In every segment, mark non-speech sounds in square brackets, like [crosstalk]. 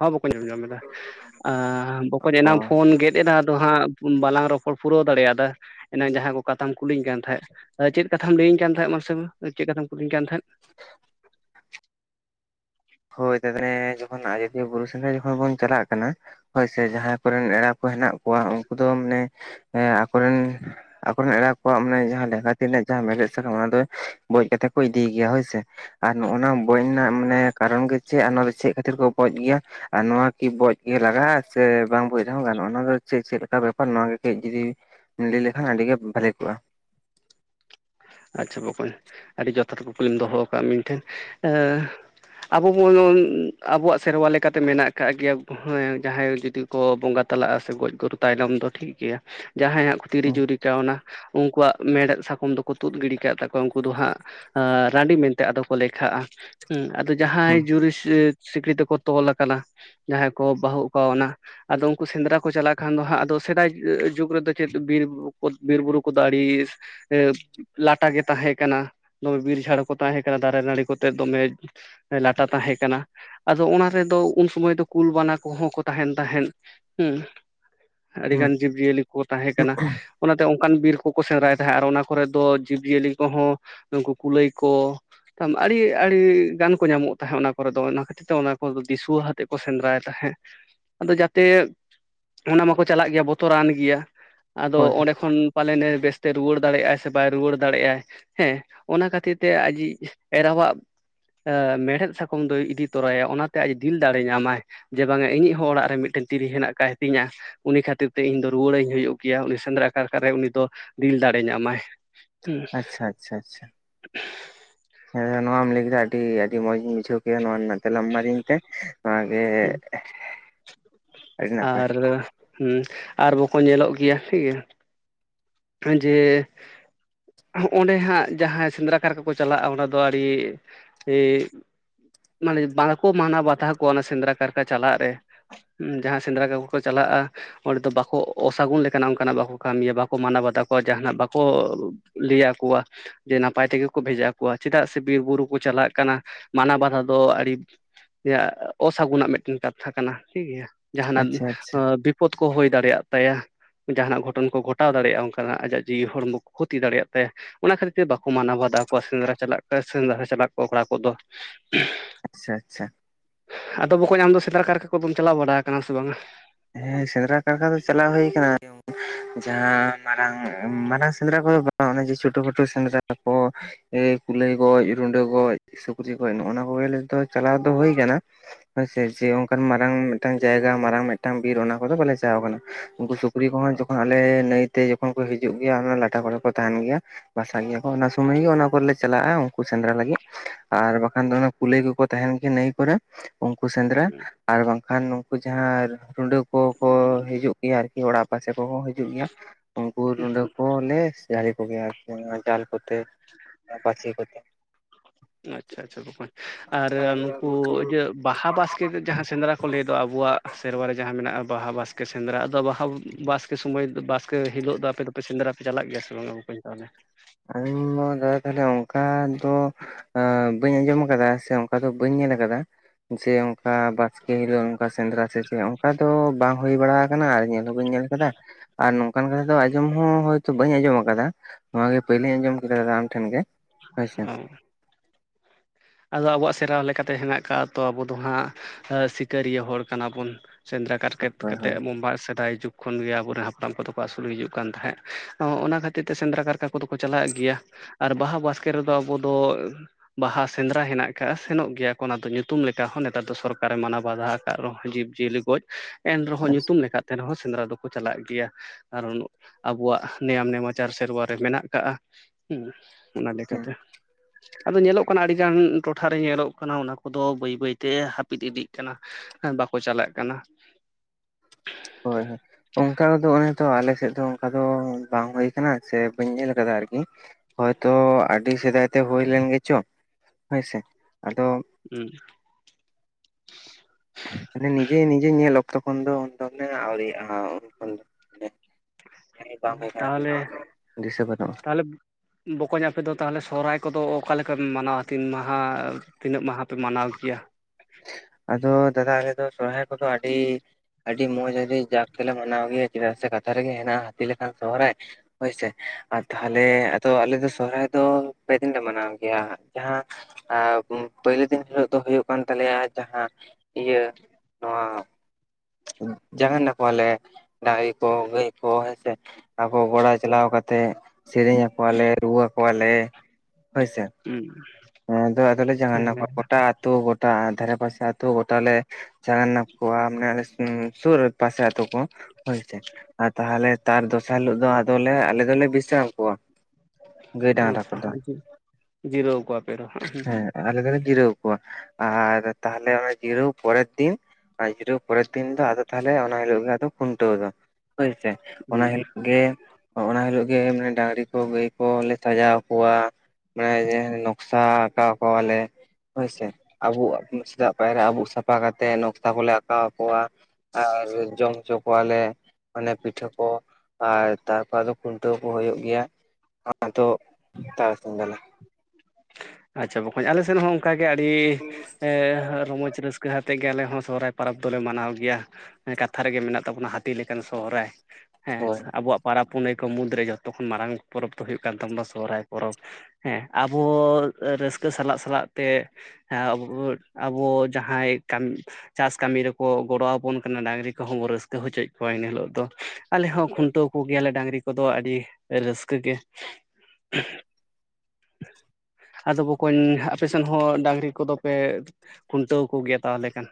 ᱦᱚᱸ [unintelligible] ᱞᱮᱫᱟ ᱚ ᱮᱱᱟᱝ ᱯᱷᱳᱱ ᱜᱮᱫ ᱮᱱᱟ ᱟᱫᱚ ᱦᱟᱸᱜ ᱵᱟᱞᱟᱝ ᱨᱚᱯᱚᱲ ᱯᱩᱨᱟᱹᱣ ᱫᱟᱲᱮᱭᱟᱫᱟ᱾ ᱮᱱᱟ ᱡᱟᱦᱟᱸ ᱠᱚ ᱠᱟᱛᱷᱟᱢ ᱠᱩᱞᱤᱧ ᱠᱟᱱ ᱛᱟᱦᱮᱸᱫ ᱪᱮᱫ ᱠᱟᱛᱷᱟᱢ ᱞᱟᱹᱭᱟᱹᱧ ᱠᱟᱱ ᱛᱟᱦᱮᱸᱫ ᱢᱟᱥᱮ ᱪᱮᱫ ᱠᱟᱛᱢ ᱠᱩᱞᱤᱧ ᱠᱟᱱ ᱛᱟᱦᱮᱸᱫ? ᱦᱳᱭ ᱛᱚᱞᱮ ᱡᱚᱠᱷᱚᱱ ᱟᱡᱚᱫᱤᱭᱟᱹ ᱵᱩᱨᱩ ᱥᱮᱸᱫᱽᱨᱟ ᱡᱚᱠᱷᱚᱱ ᱵᱚᱱ ᱪᱟᱞᱟᱜ ᱠᱟᱱᱟ᱾ ᱦᱳᱭ ᱥᱮ ᱡᱟᱦᱟᱸᱭ ᱠᱚᱨᱮᱱ ᱮᱲᱟ ᱠᱚ ᱦᱮᱱᱟᱜ ᱠᱚᱣᱟ ᱩᱱᱠᱩ ᱫᱚ ᱢᱟᱱᱮ ᱟᱠᱚᱨᱮᱱ ᱟᱠᱚᱨᱮᱱ ᱮᱲᱟ ᱠᱚᱣᱟᱜ ᱢᱮ ᱡᱟᱦᱟᱸ ᱞᱮᱸᱜᱟᱛᱤ ᱨᱮᱱᱟᱜ ᱡᱟᱦᱟᱸ ᱢᱮᱨᱮᱫ ᱥᱟᱠᱟᱢ ᱚᱱᱟ ᱫᱚ ᱵᱚᱡ ᱠᱟᱛᱮᱫ ᱠᱚ ᱤᱫᱤᱭ ᱜᱮᱭᱟ ᱦᱳᱭᱥᱮ᱾ ᱟᱨ ᱱᱚᱜ ᱱᱚᱶᱟ ᱵᱚᱡ ᱨᱮᱱᱟᱜ ᱢᱟᱱᱮ ᱠᱟᱨᱚᱱ ᱜᱮ ᱪᱮᱫ ᱟᱨ ᱱᱚᱣᱟ ᱪᱮᱫ ᱠᱷᱟᱹᱛᱤᱨ ᱠᱚ ᱵᱚᱡ ᱜᱮᱭᱟ? ᱟᱨ ᱱᱚᱣᱟ ᱠᱤ ᱵᱚᱡ ᱜᱮ ᱞᱟᱜᱟᱜᱼᱟ ᱥᱮ ᱵᱟᱝ ᱵᱚᱡ ᱨᱮᱦᱚᱸ ᱜᱟᱱᱚᱜᱼᱟ ᱚᱱᱟ ᱫᱚ ᱪᱮᱫ ᱪᱮᱫ ᱞᱮᱠᱟ ᱵᱮᱯᱟᱨ ᱱᱚᱣᱟ ᱜᱮ ᱠᱟᱹᱴᱤᱡ ᱡᱩᱫᱤ ᱞᱟᱹᱭ ᱞᱮᱠᱷᱟᱱ ᱟᱹᱰᱤᱜ ᱜᱮ ᱵᱷᱟᱞᱮ ᱠᱚᱜᱼᱟ᱾ ᱟᱪᱪᱷᱟ ᱵᱚᱠᱚᱧ ᱟᱹᱰᱤ ᱡᱚᱛᱷᱟᱛ ᱠᱩᱯᱞᱤᱢ ᱫᱚᱦᱚ ᱟᱠᱟᱫᱼᱟ ᱤᱧ ᱴᱷᱮᱱ᱾ ᱟᱵᱚ ᱵᱚᱱ ᱟᱵᱚᱣᱟᱜ ᱥᱮᱨᱣᱟ ᱞᱮᱠᱟᱛᱮ ᱢᱮᱱᱟᱜ ᱟᱠᱟᱫ ᱜᱮᱭᱟ ᱦᱮᱸ ᱡᱟᱦᱟᱸᱭ ᱡᱩᱫᱤ ᱠᱚ ᱵᱚᱸᱜᱟ ᱛᱟᱞᱟᱜᱼᱟ ᱥᱮ ᱜᱚᱡ ᱜᱩᱨᱩ ᱛᱟᱭᱱᱚᱢ ᱫᱚ ᱴᱷᱤᱠ ᱜᱮᱭᱟ᱾ ᱡᱟᱦᱟᱸᱭᱟᱜ ᱛᱤᱨᱤ ᱦᱩᱸ ᱡᱩᱨᱤ ᱠᱟᱣᱱᱟ ᱩᱱᱠᱩᱣᱟᱜ ᱢᱮᱲᱮᱫ ᱥᱟᱠᱚᱢ ᱫᱚ ᱛᱩᱫ ᱜᱤᱰᱤ ᱠᱟᱜ ᱛᱟᱠᱚᱣᱟ ᱩᱱᱠᱩ ᱫᱚ ᱦᱟᱸᱜ ᱨᱟᱺᱰᱤ ᱢᱮᱱᱛᱮ ᱟᱫᱚ ᱠᱚ ᱞᱮᱠᱷᱟᱜᱼᱟ᱾ ᱦᱮᱸ ᱟᱫᱚ ᱦᱩᱸ ᱡᱟᱦᱟᱸᱭ ᱡᱩᱨᱤ ᱥᱤᱠᱲᱤ ᱛᱮᱠᱚ ᱛᱚᱞ ᱟᱠᱟᱱᱟ ᱡᱟᱦᱟᱸᱭ ᱠᱚ ᱵᱟᱦᱩᱜ ᱟᱠᱟᱣᱱᱟ᱾ ᱟᱫᱚ ᱩᱱᱠᱩ ᱥᱮᱸᱫᱽᱨᱟ ᱠᱚ ᱪᱟᱞᱟᱜ ᱠᱷᱟᱱ ᱫᱚ ᱦᱟᱸᱜ ᱥᱮᱫᱟᱭ ᱡᱩᱜ ᱨᱮᱫᱚ ᱪᱮᱫ ᱵᱤᱨᱵᱩᱨᱩ ᱠᱚ ᱫᱟᱲᱮ ᱮ ᱞᱟᱴᱟ ᱜᱮ ᱛᱟᱦᱮᱸ ᱠᱟᱱᱟ ᱫᱚᱢᱮ ᱵᱤᱨ ᱡᱷᱟᱲ ᱠᱚ ᱛᱟᱦᱮᱸᱠᱟᱱᱟ ᱫᱟᱨᱮ ᱱᱟᱹᱲᱤ ᱠᱚᱛᱮ ᱫᱚᱢᱮ ᱞᱟᱴᱟ ᱛᱟᱦᱮᱸ ᱠᱟᱱᱟ ᱟᱫᱚ ᱚᱱᱟ ᱨᱮᱫᱚ ᱩᱱ ᱥᱚᱢᱚᱭ ᱫᱚ ᱠᱩᱞ ᱵᱟᱱᱟ ᱠᱚᱦᱚᱸ ᱠᱚ ᱛᱟᱦᱮᱱ ᱛᱟᱦᱮᱸᱫ᱾ ᱦᱩᱸ᱾ ᱟᱹᱰᱤ ᱦᱩᱸ ᱜᱟᱱ ᱡᱤᱵᱼᱡᱤᱭᱟᱹᱞᱤ ᱠᱚ ᱛᱟᱦᱮᱸᱠᱟᱱᱟ ᱚᱱᱟᱛᱮ ᱚᱱᱠᱟᱱ ᱵᱤᱨ ᱠᱚ ᱠᱚ ᱥᱮᱸᱫᱽᱨᱟᱭ ᱛᱟᱦᱮᱸᱫ ᱟᱨ ᱚᱱᱟ ᱠᱚᱨᱮ ᱫᱚ ᱡᱤᱵᱽ ᱡᱤᱭᱟᱹᱞᱤ ᱠᱚᱦᱚᱸ ᱱᱩᱠᱩ ᱠᱩᱞᱟᱹᱭ ᱠᱚ ᱛᱚ ᱟᱹᱰᱤ ᱟᱹᱰᱤ ᱜᱟᱱ ᱠᱚ ᱧᱟᱢᱚᱜ ᱛᱟᱦᱮᱸᱫ ᱚᱱᱟ ᱠᱚᱨᱮ ᱫᱚ ᱚᱱᱟ ᱠᱷᱟᱹ ᱛᱚ ᱚᱱᱟ ᱠᱚ ᱫᱤᱥᱩᱣᱟᱹ ᱟᱛᱮᱫ ᱠᱚ ᱥᱮᱸᱫᱽᱨᱟᱭ ᱛᱟᱦᱮᱸᱫ ᱟᱫᱚ ᱡᱟᱛᱮ ᱚᱱᱟ ᱢᱟᱠᱚ ᱪᱟᱞᱟᱜ ᱜᱮᱭᱟ ᱵᱚᱛᱚᱨᱟᱱ ᱜᱮᱭᱟ ᱟᱫᱚ ᱦᱳᱭ ᱚᱸᱰᱮ ᱠᱷᱚᱱ ᱯᱟᱞᱮᱱ ᱵᱮᱥᱛᱮ ᱨᱩᱣᱟᱹᱲ ᱫᱟᱲᱮᱭᱟᱜᱼᱟᱭ ᱥᱮ ᱵᱟᱭ ᱨᱩᱣᱟᱹᱲ ᱫᱟᱲᱮᱭᱟᱜ ᱟᱭ ᱦᱮᱸ ᱚᱱᱟ ᱠᱷᱟᱹᱛᱤᱨ ᱛᱮ ᱟᱡᱤᱡ ᱮᱨᱟᱣᱟᱜ ᱮ ᱢᱮᱲᱦᱮᱫ ᱥᱟᱠᱟᱚᱢ ᱫᱚᱭ ᱤᱫᱤ ᱛᱚᱨᱟᱭᱟ ᱚᱱᱟᱛᱮ ᱟᱡ ᱫᱤᱞ ᱫᱟᱲᱮ ᱧᱟᱢᱟᱭ᱾ ᱡᱮ ᱵᱟᱝᱼᱟ ᱤᱧᱤᱡ ᱦᱚᱸ ᱚᱲᱟᱜ ᱨᱮ ᱢᱤᱫᱴᱮᱱ ᱛᱤᱨᱤ ᱦᱮᱱᱟᱜ ᱠᱟᱭ ᱛᱤᱧᱟ᱾ ᱩᱱᱤ ᱠᱷᱟᱹᱛᱤᱨ ᱛᱮ ᱤᱧ ᱫᱚ ᱨᱩᱣᱟᱹᱲᱤᱧ ᱦᱩᱭᱩᱜ ᱜᱮᱭᱟ, ᱩᱱᱤ ᱥᱮᱸᱫᱽᱨᱟ ᱠᱟᱨ ᱠᱟᱨᱮ ᱩᱱᱤ ᱫᱚ ᱫᱤᱞ ᱫᱟᱲᱮ ᱧᱟᱢᱟᱭ᱾ ᱦᱩᱸ ᱟᱪᱪᱷᱟ ᱟᱪᱪᱷᱟ ᱟᱪᱷᱟ᱾ ᱦᱮᱸ ᱱᱚᱣᱟᱢ ᱞᱟᱹᱭ ᱠᱮᱫᱟ ᱟᱹᱰᱤ ᱢᱚᱸᱡᱽ ᱤᱧ ᱵᱩᱡᱷᱟᱹ ᱱᱚᱣᱟ ᱨᱮᱱᱟᱜ ᱛᱮᱞᱟᱢ ᱮᱢᱟ ᱫᱤᱧ ᱛᱮ, ᱱᱚᱣᱟ ᱜᱮ ᱟᱹᱰᱤ ᱱᱟᱯᱟᱭ ᱟᱨ ᱾ ᱦᱩᱸ ᱟᱨ ᱵᱟᱠᱚ ᱧᱮᱞᱚᱜ ᱜᱮᱭᱟ ᱴᱷᱤᱠ ᱜᱮᱭᱟ᱾ ᱡᱮ ᱚᱸᱰᱮ ᱦᱟᱸᱜ ᱡᱟᱦᱟᱸᱭ ᱥᱮᱸᱫᱽᱨᱟ ᱠᱟᱨᱟ ᱠᱚᱠᱚ ᱪᱟᱞᱟᱜᱼᱟ ᱚᱱᱟ ᱫᱚ ᱟᱹᱰᱤ ᱢᱟᱱᱮ ᱵᱟᱠᱚ ᱢᱟᱱᱟᱣ ᱵᱟᱛᱟ ᱠᱚᱣᱟ ᱚᱱᱟ ᱥᱮᱸᱫᱽᱨᱟ ᱠᱟᱨᱠᱟ ᱪᱟᱞᱟᱜ ᱨᱮ᱾ ᱡᱟᱦᱟᱸᱭ ᱥᱮᱸᱫᱽᱨᱟ ᱠᱟᱨᱠᱚ ᱠᱚ ᱪᱟᱞᱟᱜᱼᱟ, ᱚᱸᱰᱮ ᱫᱚ ᱵᱟᱠᱚ ᱚᱥᱟᱜᱩᱱ ᱞᱮᱠᱟ ᱚᱱᱠᱟᱱᱟᱜ ᱵᱟᱠᱚ ᱠᱟᱹᱢᱤᱭᱟ ᱾ ᱵᱟ ᱢᱟᱱᱟᱣ ᱵᱟᱛᱟ ᱠᱚᱣᱟ ᱡᱟᱦᱟᱱᱟᱜ ᱵᱟᱠᱚ ᱞᱟᱹᱭᱟ ᱠᱚᱣᱟ᱾ ᱡᱮ ᱱᱟᱯᱟᱭ ᱛᱮᱜᱮ ᱠᱚ ᱵᱷᱮᱡᱟ ᱠᱚᱣᱟ ᱪᱮᱫᱟᱜ ᱥᱮ ᱵᱤᱨ ᱵᱩᱨᱩ ᱠᱚ ᱪᱟᱞᱟᱜ ᱠᱟᱱᱟ ᱢᱟᱱᱟ ᱵᱟᱫᱷᱟ ᱫᱚ ᱟᱹᱰᱤ ᱨᱮᱭᱟᱜ ᱚᱥᱟᱹᱜᱩᱱ ᱱᱟᱜ ᱢᱤᱫᱴᱮᱱ ᱠᱟᱛᱷᱟ ᱠᱟᱱᱟ ᱴᱷᱤᱠ ᱜᱮᱭᱟ᱾ ᱡᱟᱦᱟᱱᱟᱜ ᱟᱪᱪᱷᱟ ᱟᱪᱪᱷᱟ ᱵᱤᱯᱚᱫ ᱠᱚ ᱦᱩᱭ ᱫᱟᱲᱮᱭᱟᱜ ᱛᱟᱭᱟ, ᱡᱟᱦᱱᱟᱜ ᱜᱷᱚᱴᱚᱱ ᱠᱚ ᱜᱷᱚᱴ ᱴᱟᱣ ᱫᱟᱲᱮᱭᱟᱜᱼᱟ ᱚᱱᱠᱟᱱᱟᱜ ᱟᱡᱟᱜ ᱡᱤᱣᱤ ᱦᱚᱲᱢᱚ ᱠᱚ ᱠᱷᱚᱛᱤ ᱫᱟᱲᱮᱭᱟᱜ ᱛᱟᱭᱟ᱾ ᱚᱱᱟ ᱠᱷᱟᱹᱛᱤᱨ ᱛᱮ ᱵᱟᱠᱚ ᱢᱟᱱᱟᱣ ᱵᱟᱫᱟ ᱠᱚᱣᱟ ᱥᱮᱸᱫᱽᱨᱟ ᱪᱟᱞᱟᱜ, ᱥᱮᱸᱫᱽᱟ ᱪᱟᱞᱟᱜ ᱠᱚ ᱠᱚᱲᱟ ᱠᱚᱫᱚ᱾ ᱟᱪᱪᱷᱟ ᱟᱪᱪᱷᱟ᱾ ᱟᱫᱚ ᱵᱚᱠᱚᱧ ᱟᱢ ᱫᱚ ᱥᱮᱸᱫᱨᱟ ᱠᱟᱨᱠᱟ ᱠᱚᱫᱚᱢ ᱪᱟᱞᱟᱣ ᱵᱟᱲᱟ ᱟᱠᱟᱱᱟ ᱥᱮ ᱵᱟᱝ-ᱟ? ᱦᱮᱸ ᱥᱮᱸᱫᱽᱨᱟ ᱠᱟᱨᱠᱟ ᱫᱚ ᱪᱟᱞᱟᱣ ᱦᱩᱭ ᱠᱟᱱᱟ ᱾ ᱡᱟᱦᱟᱸ ᱢᱟᱨᱟᱝ ᱢᱟᱨᱟᱝ ᱥᱮᱸᱫᱽᱨᱟ ᱠᱚᱫᱚ ᱵᱟᱝ ᱚᱱᱮ ᱡᱮ ᱪᱷᱳᱴᱳ ᱠᱷᱟᱴᱳ ᱥᱮᱸᱫᱽᱨᱟ ᱠᱚ, ᱠᱩᱞᱟᱹᱭ ᱜᱚᱡ, ᱨᱩᱰᱟᱹ ᱜᱚᱡ, ᱥᱩᱠᱨᱤ ᱜᱚᱡ ᱱᱚᱜᱼᱟ ᱠᱚᱜᱮ ᱱᱤᱛ ᱫᱚ ᱪᱟᱞᱟᱣ ᱫᱚ ᱦᱩᱭ ᱠᱟᱱᱟ᱾ ᱦᱳᱭ ᱥᱮ ᱡᱮ ᱚᱱᱠᱟᱱ ᱢᱟᱨᱟᱝ ᱢᱤᱫᱴᱟᱝ ᱡᱟᱭᱜᱟ ᱢᱟᱨᱟᱝ ᱢᱤᱫᱟᱝ ᱢᱤᱫᱴᱟᱝ ᱵᱤᱨ ᱚᱱᱟ ᱠᱚᱫᱚ ᱵᱟᱞᱮ ᱪᱟᱣ ᱟᱠᱟᱱᱟ, ᱩᱱᱠᱩ ᱥᱩᱠᱨᱤ ᱠᱚᱦᱚᱸ ᱡᱚᱠᱷᱚᱱ ᱟᱞᱮ ᱱᱟᱹᱭ ᱛᱮ ᱡᱚᱠᱷᱚᱱ ᱠᱚ ᱦᱤᱡᱩᱜ ᱜᱮᱭᱟ, ᱚᱱᱟ ᱞᱟᱴᱟ ᱠᱚᱨᱮ ᱠᱚ ᱛᱟᱦᱮᱱ ᱜᱮᱭᱟ, ᱵᱟᱥᱟᱜ ᱜᱮᱭᱟ ᱠᱚ ᱚᱱᱟ ᱥᱩᱢᱚᱭ ᱜᱮ ᱚᱱᱟ ᱠᱚᱨᱮ ᱪᱟᱞᱟᱜᱼᱟ ᱩᱱᱠᱩ ᱥᱮᱸᱫᱽᱨᱟ ᱞᱟᱹᱜᱤᱫ ᱟᱨ ᱵᱟᱠᱷᱟᱱ ᱫᱚ ᱠᱩᱞᱟᱹᱭ ᱠᱚᱠᱚ ᱛᱟᱦᱮᱱ ᱜᱮᱭᱟ ᱱᱟᱹᱭ ᱠᱚᱨᱮ ᱩᱱᱠᱩ ᱥᱮᱸᱫᱽᱨᱟ ᱟᱨ ᱵᱟᱝᱠᱷᱟᱱ ᱱᱩᱠᱩ ᱡᱟᱦᱟᱭ ᱨᱩᱰᱟᱹ ᱠᱚᱠᱚ ᱦᱤᱡᱩᱜ ᱜᱮᱭᱟ ᱟᱨᱠᱤ ᱚᱲᱟᱜ ᱯᱟᱥᱮ ᱠᱚᱦᱚᱸ ᱦᱤᱡᱩᱜ ᱜᱮᱭᱟ ᱩᱱᱠᱩ ᱨᱩᱰᱟᱹ ᱠᱚᱞᱮ ᱡᱷᱟᱞᱤ ᱠᱚ ᱜᱮᱭᱟ ᱟᱨᱠᱤ ᱡᱟᱞ ᱠᱚᱛᱮ ᱯᱟᱥᱤ ᱠᱚᱛᱮ᱾ ᱟᱪᱪᱷᱟ ᱟᱪᱪᱷᱟ ᱵᱚᱠᱚᱧ ᱟᱨ ᱱᱩᱠᱩ ᱤᱭᱟᱹ ᱵᱟᱦᱟ ᱵᱟᱥᱠᱮ ᱡᱟᱦᱟᱸ ᱥᱮᱸᱫᱽᱨᱟ ᱠᱚ ᱞᱟᱹᱭ ᱫᱚ ᱟᱵᱚᱣᱟᱜ ᱥᱮᱨᱣᱟ ᱨᱮ ᱡᱟᱦᱟᱸ ᱢᱮᱱᱟᱜᱼᱟ, ᱵᱟᱦᱟ ᱵᱟᱥᱠᱮ ᱥᱮᱸᱫᱽᱨᱟ ᱟᱫᱚ ᱵᱟᱦᱟ ᱵᱟᱥᱠᱮ ᱥᱚᱢᱚᱭ, ᱵᱟᱥᱠᱮ ᱦᱤᱞᱳᱜ ᱫᱚ ᱟᱯᱮ ᱫᱚᱯᱮ ᱥᱮᱫᱽᱨᱟ ᱯᱮ ᱪᱟᱞᱟᱜ ᱜᱮᱭᱟ ᱥᱮ ᱵᱟᱝ ᱵᱚᱠᱚᱧ ᱛᱟᱦᱞᱮ? ᱟᱞᱤᱧ ᱫᱚ ᱫᱟᱫᱟ ᱛᱟᱦᱚᱞᱮ ᱚᱱᱠᱟ ᱫᱚ ᱵᱟᱹᱧ ᱟᱸᱡᱚᱢ ᱟᱠᱟᱫᱟ ᱥᱮ ᱚᱱᱠᱟ ᱫᱚ ᱵᱟᱹᱧ ᱧᱮᱞ ᱠᱟᱫᱟ ᱾ ᱡᱮ ᱚᱱᱠᱟ ᱵᱟᱥᱠᱮ ᱦᱤᱞᱳᱜ ᱚᱱᱠᱟ ᱥᱮᱸᱫᱽᱨᱟ ᱥᱮ ᱪᱮᱫ ᱚᱱᱠᱟ ᱫᱚ ᱵᱟᱝ ᱦᱩᱭ ᱵᱟᱲᱟ ᱠᱟᱱᱟ᱾ ᱟᱨ ᱧᱮᱞ ᱦᱚᱸ ᱵᱟᱹᱧ ᱧᱮᱞ ᱟᱠᱟᱫᱟ ᱟᱨ ᱱᱚᱝᱠᱟᱱ ᱠᱟᱛᱷᱟ ᱫᱚ ᱟᱸᱡᱚᱢ ᱦᱚᱭ ᱛᱚ ᱵᱟᱹᱧ ᱟᱸᱡᱚᱢ ᱟᱠᱟᱫᱟ ᱱᱚᱣᱟᱜᱮ ᱯᱳᱭᱞᱳᱧ ᱟᱸᱡᱚᱢ ᱠᱮᱫᱟ ᱫᱟᱫᱟ ᱟᱢ ᱴᱷᱮᱱ ᱜᱮ ᱦᱳᱭ ᱥᱮ᱾ ᱚ ᱟᱫᱚ ᱟᱵᱚᱣᱟᱜ ᱥᱮᱨᱣᱟ ᱞᱮᱠᱟᱛᱮ ᱦᱮᱱᱟᱜ ᱟᱠᱟᱫᱼᱟ ᱛᱚ ᱟᱵᱚ ᱫᱚ ᱦᱟᱸᱜ ᱥᱤᱠᱟᱹᱨᱤᱭᱟᱹ ᱦᱚᱲ ᱠᱟᱱᱟ ᱵᱚᱱ ᱥᱮᱸᱫᱽᱨᱟ ᱠᱟᱨᱠᱮᱛ ᱦᱳᱭ ᱦᱳᱭ ᱠᱟᱛᱮᱫ ᱢᱳᱵᱟᱭ ᱥᱮᱫᱟᱭ ᱡᱩᱜᱽ ᱠᱷᱚᱱ ᱜᱮ ᱟᱵᱚᱨᱮᱱ ᱦᱟᱯᱲᱟᱢ ᱠᱚᱫᱚ ᱠᱚ ᱟᱹᱥᱩᱞ ᱦᱤᱡᱩᱜ ᱠᱟᱱ ᱛᱟᱦᱮᱸᱫ, ᱚᱱᱟ ᱠᱷᱟᱹᱛᱤᱨ ᱛᱮ ᱥᱮᱸᱫᱽᱨᱟ ᱠᱟᱨᱠᱟ ᱠᱚᱫᱚ ᱠᱚ ᱪᱟᱞᱟᱜ ᱜᱮᱭᱟ ᱾ ᱟᱨ ᱵᱟᱦᱟ ᱵᱟᱥᱠᱮ ᱨᱮᱫᱚ ᱟᱵᱚ ᱫᱚ ᱵᱟᱦᱟ ᱥᱮᱸᱫᱽᱨᱟ ᱦᱮᱱᱟᱜ ᱟᱠᱟᱫᱼᱟ ᱥᱮᱱᱚᱜ ᱜᱮᱭᱟ ᱠᱚ ᱚᱱᱟ ᱫᱚ ᱧᱩᱛᱩᱢ ᱞᱮᱠᱟ ᱦᱚᱸ ᱱᱮᱛᱟᱨ ᱫᱚ ᱥᱚᱨᱠᱟᱨᱮ ᱢᱟᱱᱟᱣ ᱵᱟᱫᱷᱟ ᱟᱠᱟᱫ ᱨᱮᱦᱚᱸ ᱡᱤᱵᱽᱼᱡᱤᱭᱟᱹᱞᱤ ᱠᱚ ᱜᱚᱡ ᱮᱱ ᱨᱮᱦᱚᱸ ᱟᱪᱪᱷᱟ ᱧᱩᱛᱩᱢ ᱞᱮᱠᱟᱛᱮ ᱨᱮᱦᱚᱸ ᱥᱮᱸᱫᱽᱨᱟ ᱫᱚᱠᱚ ᱪᱟᱞᱟᱜ ᱜᱮᱭᱟ᱾ ᱟᱨ ᱟᱵᱚᱣᱟᱜ ᱱᱮᱭᱟᱢ ᱱᱮᱢᱟᱪᱟᱨ ᱥᱮᱨᱣᱟ ᱨᱮ ᱢᱮᱱᱟᱜ ᱠᱟᱜᱼᱟ ᱦᱩᱸ, ᱚᱱᱟ ᱦᱮᱸ ᱞᱮᱠᱟᱛᱮ ᱟᱫᱚ ᱧᱮᱞᱚᱜ ᱠᱟᱱᱟ ᱟᱹᱰᱤ ᱜᱟᱱ ᱴᱚᱴᱷᱟ ᱨᱮ ᱧᱮᱞᱚᱜ ᱠᱟᱱᱟ ᱚᱱᱟ ᱠᱚᱫᱚ ᱵᱟᱹᱭ ᱵᱟᱹᱭᱛᱮ ᱦᱟᱹᱯᱤᱫ ᱤᱫᱤ ᱠᱟᱱᱟ ᱵᱟᱠᱚ ᱪᱟᱞᱟᱜ ᱠᱟᱱᱟ᱾ ᱦᱳᱭ ᱦᱳᱭ᱾ ᱚᱱᱠᱟ ᱫᱚ ᱚᱱᱮ ᱛᱚ ᱟᱞᱮ ᱥᱮᱫ ᱫᱚ ᱚᱱᱠᱟ ᱫᱚ ᱵᱟᱝ ᱦᱩᱭ ᱟᱠᱟᱱᱟ ᱥᱮ ᱵᱟᱹᱧ ᱧᱮᱞ ᱠᱟᱫᱟ ᱟᱨᱠᱤ ᱾ ᱦᱳᱭ ᱛᱚ ᱟᱹᱰᱤ ᱥᱮᱫᱟᱭ ᱛᱮ ᱦᱩᱭ ᱞᱮᱱ ᱜᱮᱪᱚ ᱦᱮᱸᱥᱮ ᱟᱫᱚ ᱦᱩᱸ ᱱᱤᱡᱮ ᱱᱤᱡᱮ ᱧᱮᱞ ᱚᱠᱛᱚ ᱠᱷᱚᱱ ᱫᱚ ᱩᱱᱫᱚ ᱢᱟᱱᱮ ᱟᱹᱣᱨᱤᱜᱼᱟ ᱩᱱ ᱫᱚ ᱛᱟᱦᱚᱞᱮ [unintelligible] ᱫᱤᱥᱟᱹ ᱵᱟᱹᱱᱩᱜᱼᱟ ᱛᱟᱦᱚᱞᱮ ᱵᱚᱠᱚᱧ ᱟᱯᱮᱫ ᱫᱚ ᱛᱟᱦᱚᱞᱮ ᱥᱚᱦᱚᱨᱟᱭ ᱠᱚᱫᱚ ᱚᱠᱟᱮ ᱞᱮᱠᱟᱯᱮ ᱢᱟᱱᱟᱣᱟ ᱛᱤᱱ ᱢᱟᱦᱟ ᱛᱤᱱᱟᱹᱜ ᱢᱟᱦᱟ ᱯᱮ ᱢᱟᱱᱟᱣ ᱠᱮᱭᱟ? ᱟᱫᱚ ᱫᱟᱫᱟ ᱟᱞᱮᱚ ᱥᱚᱦᱚᱨᱟᱭ ᱠᱚᱫᱚ ᱟᱹᱰᱤ ᱟᱹᱰᱤ ᱢᱚᱸᱡᱽ ᱟᱹᱰᱤ ᱡᱟᱠ ᱛᱮᱞᱮ ᱢᱟᱱᱟᱣ ᱜᱮᱭᱟ ᱪᱮᱫᱟᱜ ᱥᱮ ᱠᱟᱛᱷᱟ ᱨᱮᱜᱮ ᱦᱮᱱᱟᱜᱼᱟ ᱦᱟᱹᱛᱤ ᱞᱮᱠᱷᱟᱱ ᱥᱚᱦᱚᱨᱟᱭ, ᱦᱳᱭᱥᱮ ᱟᱨ ᱛᱟᱦᱚᱞᱮ ᱟᱫᱚ ᱟᱞᱮ ᱫᱚ ᱥᱚᱦᱚᱨᱟᱭ ᱫᱚ ᱯᱮ ᱫᱤᱱ ᱞᱮᱮ ᱢᱟᱱᱟᱣ ᱜᱮᱭᱟ, ᱡᱟᱦᱟᱸ ᱟᱨ ᱯᱳᱭᱞᱳ ᱫᱤᱱ ᱦᱤᱞᱳᱜ ᱫᱚ ᱦᱩᱭᱩᱜ ᱠᱟᱱ ᱛᱟᱞᱮᱭᱟ ᱡᱟᱦᱟᱸ ᱤᱭᱟᱹ ᱱᱚᱣᱟ ᱡᱟᱜᱟᱱᱟ ᱠᱚᱣᱟᱞᱮ ᱰᱟᱝᱨᱤ ᱠᱚ ᱜᱟᱹᱭ ᱠᱚ ᱦᱮᱸᱥᱮ, ᱟᱠᱚ ᱜᱚᱲᱟ ᱪᱟᱞᱟᱣ ᱠᱟᱛᱮᱜ ᱥᱮᱨᱮᱧ ᱟᱠᱚᱣᱟᱞᱮ ᱨᱩᱣ ᱟᱠᱚᱣᱟᱞᱮ ᱦᱳᱭᱥᱮ, ᱦᱩᱸ ᱫᱚ ᱟᱫᱚᱞᱮ ᱡᱟᱜᱟᱱᱟ ᱠᱚᱣᱟ ᱜᱚᱴᱟ ᱟᱹᱛᱩᱳ ᱜᱚᱴᱟ ᱟ ᱫᱷᱟᱨᱮ ᱯᱟᱥᱮ ᱛᱚ, ᱜᱚᱴᱟ ᱞᱮ ᱪᱟᱱᱟᱱᱟᱢᱠᱚᱣᱟ, ᱢᱟᱱᱮ, ᱥᱩᱨ ᱯᱟᱥᱮᱛ ᱟᱹᱛᱩ ᱠᱚ ᱦᱳᱭ ᱥᱮ, ᱟᱨ ᱛᱟᱦᱚᱞᱮ, ᱛᱟᱨ ᱫᱚᱥᱟᱨ ᱦᱤᱞᱳᱜ ᱫᱚ, ᱟᱞᱮ, ᱟᱞᱮ ᱫᱚᱞᱮ, ᱵᱤᱥᱟᱢ ᱠᱚᱣᱟ ᱾ ᱟᱪᱪᱷᱟ, [inaudible] ᱡᱤᱨᱟᱹᱣ ᱠᱚᱣᱟ ᱯᱮ ᱮᱨᱨ ᱦᱜ ᱦᱮᱸ ᱟᱞᱮ ᱫᱚᱞᱮ, ᱡᱤᱨᱟᱹᱣ ᱠᱚᱣᱟ, ᱟᱨ ᱛᱟᱦᱞᱮ, ᱚᱱᱟ ᱡᱤᱨᱟᱹᱣ ᱯᱚᱨᱮᱨ, ᱫᱤᱱ ᱟᱼ ᱡᱤᱨᱟᱹᱣ ᱯᱚᱨᱮᱨ ᱫᱤᱱ ᱫᱚ, ᱟᱫᱚ, ᱛᱟᱦᱞᱮ ᱚᱱᱟ ᱦᱤᱞᱳᱜ ᱜᱮ, ᱟᱫᱚ, ᱠᱷᱩᱱᱴᱟᱹᱣ ᱫᱚ ᱾ ᱦᱚᱭ ᱥᱮ, ᱚᱱᱟ ᱦᱟᱸᱜ ᱦᱤᱞᱳᱜ ᱜᱮ ᱚᱱᱟ ᱦᱤᱞᱳᱜ ᱜᱮ, ᱰᱟᱝᱨᱤ ᱠᱚ, ᱜᱟᱹᱭ ᱠᱚᱞᱮ, ᱥᱟᱡᱟᱣ ᱠᱚᱣᱟ, ᱢᱟᱱᱮ ᱥᱟ ᱠᱟᱣ, ᱠᱚᱣᱟᱞᱮ, ᱦᱚᱭ ᱥᱮ, ᱟᱵᱩᱣᱟᱜ, ᱪᱮᱫᱟᱜ? ᱯᱟᱭᱨᱟ ᱟᱵᱩᱜ ᱥᱟᱯᱷᱟ ᱠᱟᱛᱮᱫ, ᱱᱚᱠᱥᱷᱟ ᱠᱚᱞᱮ, ᱟᱸᱠᱟᱸᱠᱟᱣ ᱟᱠᱚᱣᱟ, ᱟᱨ ᱡᱚᱢ ᱦᱚᱪᱚ ᱠᱚᱣᱟ ᱞᱮ ᱾ ᱢᱟᱱᱮ, ᱯᱤᱴᱷᱟᱹ ᱠᱚ, ᱟᱨ ᱛᱟᱨᱯᱚᱨ ᱠᱷᱩᱱᱴᱟᱹᱣ ᱠᱚ, ᱦᱩᱭᱩᱜ ᱜᱮᱭᱟ ᱾ ᱟᱫᱚ, ᱛᱟᱨ, ᱥᱚᱝ ᱜᱮᱞᱮ ᱟᱪᱪᱷᱟ, ᱵᱚᱠᱚᱧ ᱟᱞᱮ ᱥᱮᱱ ᱦᱚᱸ, ᱚᱱᱠᱟᱜ ᱜᱮ, ᱟᱹᱰᱤ ᱮᱼ ᱨᱚᱢᱚᱡᱽ ᱨᱟᱹᱥᱠᱟᱹ ᱠᱟᱹ ᱦᱟᱛᱮᱫ ᱜᱮ, ᱟᱞᱮ ᱦᱚᱸ, ᱥᱚᱦᱚᱨᱟᱭ ᱯᱚᱨᱚᱵᱽ ᱫᱚᱞᱮ, ᱢᱟᱱᱟᱣ ᱜᱮᱭᱟ ᱾ ᱠᱟᱛᱷᱟ ᱨᱮᱜᱮ, ᱢᱮᱱᱟᱜ ᱛᱟᱵᱚᱱᱟ, ᱦᱟᱹᱛᱤ ᱞᱮᱠᱟᱱ ᱥᱚᱦᱨᱟᱭ ᱾ ᱦᱮᱸ, ᱦᱳᱭ ᱟᱵᱚᱣᱟᱜ ᱯᱟᱨᱟᱵᱽ ᱯᱩᱱᱟᱹᱭ ᱠᱚ, ᱢᱩᱫᱽᱨᱮ ᱡᱚᱛᱚ ᱠᱷᱚᱱ, ᱢᱟᱨᱟᱝ ᱯᱚᱨᱚᱵᱽ ᱫᱚ, ᱦᱩᱭᱩᱜ ᱠᱟᱱ ᱛᱟᱵᱚᱱᱟ, ᱥᱚᱦᱨᱟᱭ ᱯᱚᱨᱚᱵᱽ, ᱦᱮᱸ, ᱟᱵ ᱟᱵᱚ, ᱨᱟᱹᱥᱠᱟᱹ ᱥᱟᱞᱟᱜ, ᱥᱟᱞᱟᱜ ᱛᱮ, ᱟᱵᱚ, ᱮᱸᱼ ᱟᱵᱚ ᱡᱟᱦᱟᱸᱭ, ᱠᱟᱢ ᱪᱟᱥ ᱠᱟᱹᱢᱤ ᱨᱮᱠᱚ, ᱜᱚᱲᱚ ᱟᱵᱚᱱ ᱠᱟᱱᱟ, ᱰᱟᱝᱨᱤ ᱠᱚᱦᱚᱸ, ᱵᱚᱱ ᱨᱟᱹᱥᱠᱟᱹ ᱦᱚᱪᱚ ᱭᱮᱫ ᱠᱚᱣᱟ, ᱮᱱ ᱦᱤᱞᱳᱜ ᱫᱚ ᱟᱞᱮ ᱦᱚᱸ, ᱠᱷᱩᱱᱴᱟᱹᱣ ᱠᱚ ᱜᱮᱭᱟ ᱞᱮ, ᱰᱟᱹᱝᱨᱤ ᱠᱚᱫᱚ, ᱟᱹᱰᱤ ᱨᱟᱹᱥᱠᱟᱹ ᱜᱮ ᱾ ᱟᱫᱚ, ᱵᱚᱠᱚᱧ, ᱟᱯᱮ ᱥᱮᱱ ᱦᱚᱸ, ᱰᱟᱝᱨᱤ ᱠᱚᱫᱚ ᱯᱮ ᱠᱷᱩᱱᱴᱟᱹᱣ ᱠᱚ ᱜᱮᱭᱟ, ᱛᱟᱦᱚᱞᱮ ᱠᱷᱟᱱ?